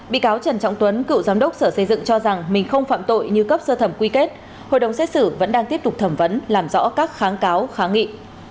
bị cáo trần trọng tuấn cựu giám đốc sở xây dựng cho rằng mình không phạm tội như cấp sơ thẩm quy kết hội đồng xét xử vẫn đang tiếp tục thẩm vấn làm rõ các kháng cáo kháng nghị